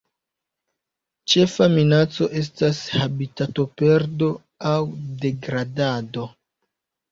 Ĉefa minaco estas habitatoperdo aŭ degradado.